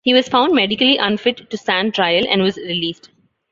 He was found medically unfit to stand trial and was released.